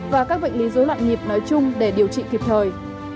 và các bệnh lý dối loạn nhịp nói chung để điều trị kịp thời